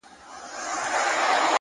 فکر د ژوند مسیر ټاکي!